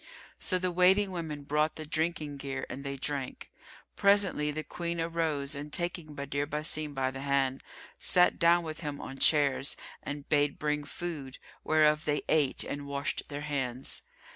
So the waiting women brought the drinking gear and they drank. Presently, the Queen arose and taking Badr Basim by the hand, sat down with him on chairs and bade bring food, whereof they ate, and washed their hands.